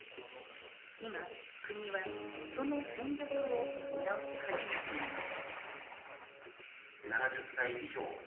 今国はその戦略を見直し始めています。